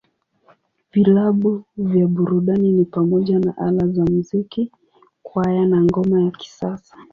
Vilabu vya burudani ni pamoja na Ala za Muziki, Kwaya, na Ngoma ya Kisasa.